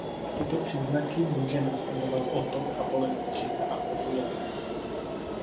Tyto příznaky může následovat otok a bolest břicha a průjem.